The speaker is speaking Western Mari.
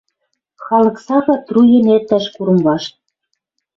Халык сага труен эртӓш курым вашт.